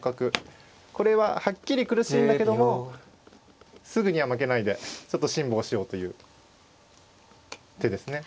これははっきり苦しいんだけどもすぐには負けないでちょっと辛抱しようという手ですね。